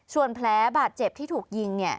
ส่วนแผลบาดเจ็บที่ถูกยิงเนี่ย